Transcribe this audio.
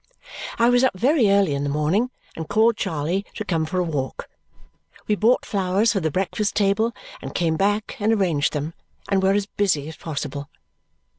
I was up very early in the morning and called Charley to come for a walk. We bought flowers for the breakfast table, and came back and arranged them, and were as busy as possible.